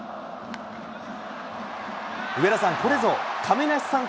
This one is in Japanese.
上田さん、これぞ亀梨さん